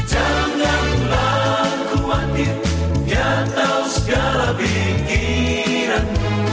yang tahu segala pikiran